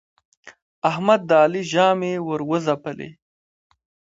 احمد د علي ژامې ور وځبلې.